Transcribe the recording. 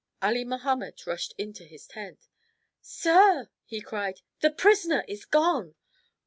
Ali Mahomet rushed into his tent. "Sir," he cried, "the prisoner is gone!"